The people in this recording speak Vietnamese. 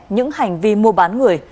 những hành vi mua bán người